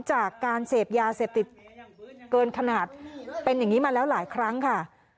จากการเสพยาเสพติดเกินขนาดเป็นอย่างนี้มาแล้วหลายครั้งค่ะ